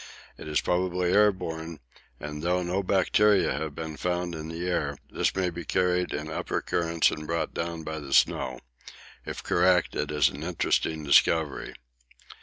It is probably air borne, and though no bacteria have been found in the air, this may be carried in upper currents and brought down by the snow. If correct it is an interesting discovery.